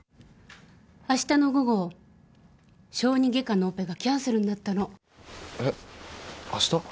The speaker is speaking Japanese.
明日の午後小児外科のオペがキャンセルになったのえッ明日？